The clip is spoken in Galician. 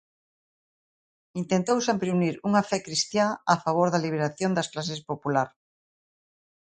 Intentou sempre unir unha fe cristiá a favor da liberación das clases popular.